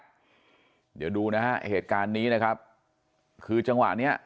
เดี๋ยวดูนะฮะเหตุการณ์นี้นะครับคือจังหวะเนี้ย